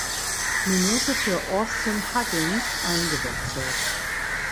Minute für Austin Huggins eingewechselt.